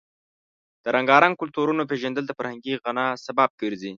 د رنګارنګ کلتورونو پیژندل د فرهنګي غنا سبب ګرځي.